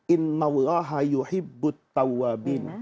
innallaha yuhibbut tawwabin